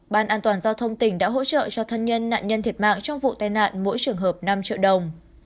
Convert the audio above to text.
ban an toàn giao thông tỉnh đã hỗ trợ cho thân nhân nạn nhân thiệt mạng trong vụ tai nạn mỗi trường hợp năm triệu đồng